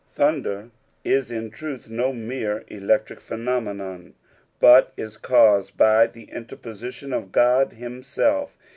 '" Thander is in truth no mere electric phenomenon, but ifi caused by the inter pusition of Qod himself.